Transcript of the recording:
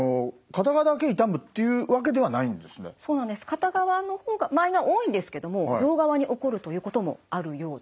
片側の場合が多いんですけども両側に起こるということもあるようです。